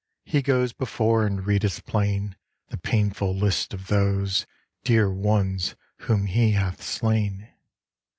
He goes Before and readeth plain The painful list of those Dear ones whom he hath slain.